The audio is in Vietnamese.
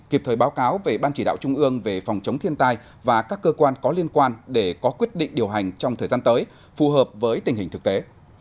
kịp thời báo cáo về ban chỉ đạo trung ương về phòng chống thiên tai và các cơ quan có liên quan để có quyết định điều hành trong thời gian tới phù hợp với tình hình thực tế